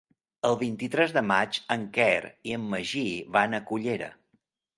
El vint-i-tres de maig en Quer i en Magí van a Cullera.